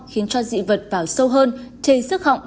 khiến cho dị vật vào sâu hơn chảy sức họng